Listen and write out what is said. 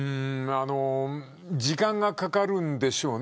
時間がかかるんでしょうね。